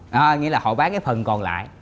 nó nghĩa là họ bán cái phần còn lại